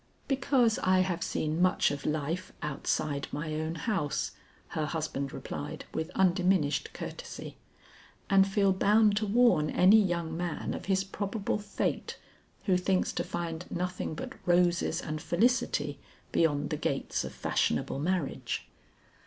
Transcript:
"Because I have seen much of life outside my own house," her husband replied with undiminished courtesy; "and feel bound to warn any young man of his probable fate, who thinks to find nothing but roses and felicity beyond the gates of fashionable marriage."